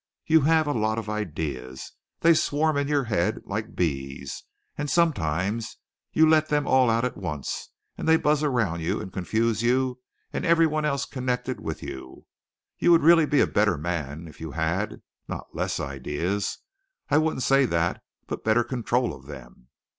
You have a lot of ideas. They swarm in your head like bees, and sometimes you let them all out at once and they buzz around you and confuse you and everyone else connected with you. You would really be a better man if you had, not less ideas I wouldn't say that but better control of them.